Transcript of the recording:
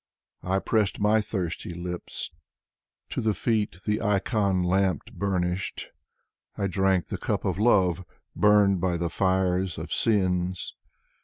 I pressed my thirsty lips To the feet the ikon lamp burnished, I drank the cup of love. Burned by the fires of sins.